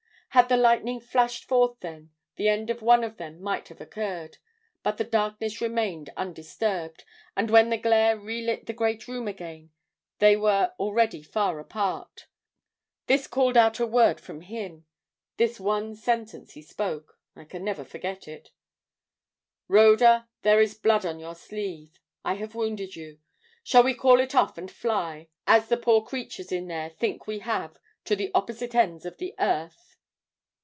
"Had the lightning flashed forth then, the end of one of them might have occurred. But the darkness remained undisturbed, and when the glare relit the great room again, they were already far apart. This called out a word from him; the one sentence he spoke I can never forget it: "'Rhoda, there is blood on your sleeve; I have wounded you. Shall we call it off and fly, as the poor creatures in there think we have, to the opposite ends of the earth?